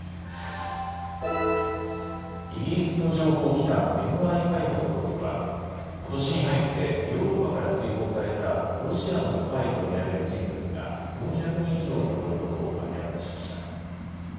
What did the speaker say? イギリスの情報機関、ＭＩ５のトップは、ことしに入って、ヨーロッパから追放されたロシアのスパイと見られる人物が４００人以上に上ることを明らかにしました。